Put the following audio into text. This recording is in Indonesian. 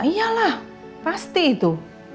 iya lah pasti itu